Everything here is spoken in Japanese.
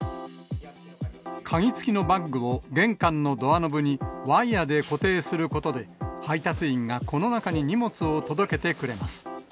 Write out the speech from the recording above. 鍵付きのバッグを玄関のドアノブにワイヤで固定することで、配達員がこの中に荷物を届けてくれます。